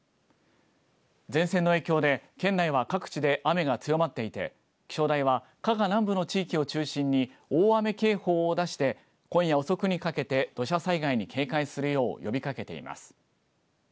前線の影響で、県内は各地で雨が強まっていて、気象台は加賀南部の地域を中心に大雨警報を出して今夜遅くにかけて土砂災害に警戒するよう呼びかけています。